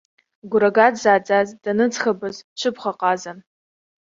Гәрага дзааӡаз даныӡӷабыз дҽыбӷаҟазан.